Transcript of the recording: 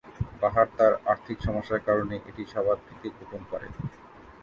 বাহার তার আর্থিক সমস্যার কারণে এটি সবার থেকে গোপন করে।